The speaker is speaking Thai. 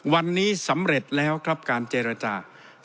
วันนี้สำเร็จแล้วครับการเจรจา